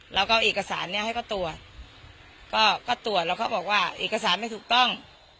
เราก็เอาเอกสารเนี้ยให้เขาตรวจก็ตรวจแล้วเขาบอกว่าเอกสารไม่ถูกต้อง